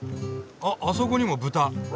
あっあそこにもブタ。